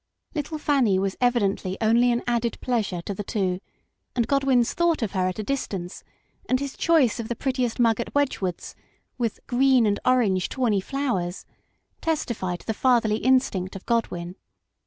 Little Fanny was evidently only an added pleasure to the two, and Godwin's thought of her at a distance and his choice of the prettiest mug at Wedge wood's with "green and orange tawny flowers/' testify to the fatherly instinct of Godwin.